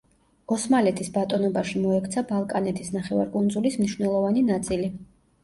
ოსმალეთის ბატონობაში მოექცა ბალკანეთის ნახევარკუნძულის მნიშვნელოვანი ნაწილი.